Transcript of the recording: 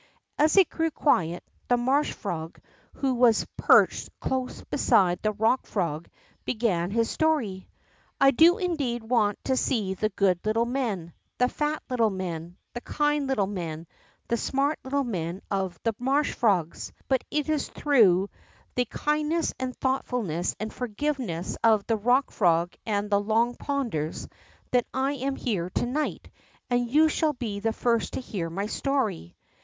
As it grew quiet, the marsh frog, who was perched close beside the Bock Frog, began his story : I do indeed want to see the good little men, the fat little men, the kind little men, the smart little men of the marsh frogs. Bnt it is through the kindness and thoughtfulness and forgiveness of the Bock Frog and the Long Ponders that I am here to night, and you shall be the first to hear my story.